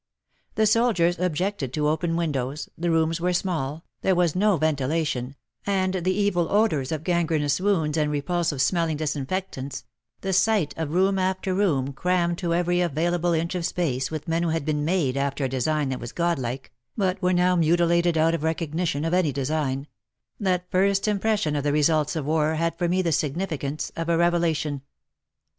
The soldiers objected to open windows, the rooms were small, there was no ventilation, and the evil odours of gangrenous wounds and repulsive smelling disinfectants — the sight of room after room, crammed to every available inch of space with men who had been made after a design that was godlike, but were now mutilated out of recognition of any design — that first impression of the results of war had for me the significance of a revelation.